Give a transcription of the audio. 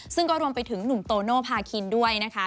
ซึ่งก็รวมไปถึงหนุ่มโตโนภาคินด้วยนะคะ